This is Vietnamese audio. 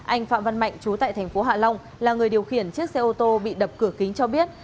anh phạm văn mạnh chú tại thành phố hạ long là người điều khiển chiếc xe ô tô bị đập cửa kính cho biết